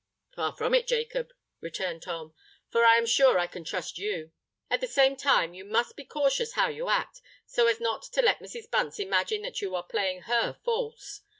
"Far from it, Jacob," returned Tom: "for I am sure I can trust you. At the same time, you must be cautious how you act, so as not to let Mrs. Bunce imagine that you are playing her false.